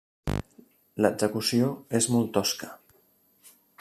L'execució és molt tosca.